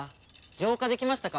浄化できましたか？